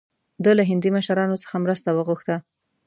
ده له هندي مشرانو څخه مرسته وغوښته.